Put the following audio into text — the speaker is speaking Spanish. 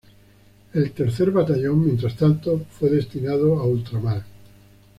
El tercer batallón mientras tanto fue destinado a Ultramar.